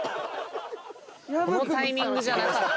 このタイミングじゃなかった。